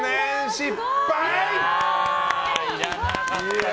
失敗！